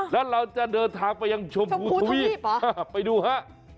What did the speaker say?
แล้วเราจะเดินทางไปยังชมพูทวีปไปดูฮะ